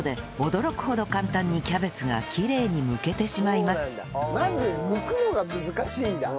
まずむくのが難しいんだ。